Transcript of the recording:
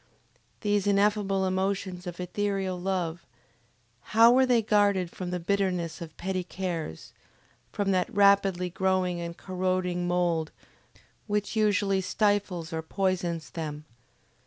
These ineffable emotions of ethereal love, how were they guarded from the bitterness of petty cares, from that rapidly growing and corroding mould which usually stifles or poisons them?